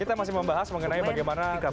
kita masih membahas mengenai bagaimana kpk